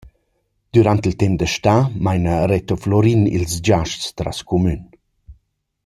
Dürant il temp da stà maina Reto Florin ils giasts tras cumün.